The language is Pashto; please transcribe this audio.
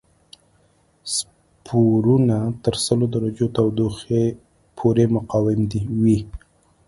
سپورونه تر سلو درجو تودوخه پورې مقاوم وي.